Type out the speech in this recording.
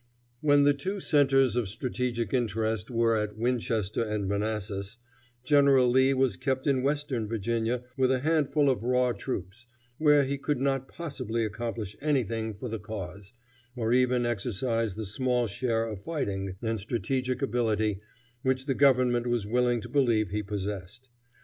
When the two centres of strategic interest were at Winchester and Manassas, General Lee was kept in Western Virginia with a handful of raw troops, where he could not possibly accomplish anything for the cause, or even exercise the small share of fighting and strategic ability which the government was willing to believe he possessed.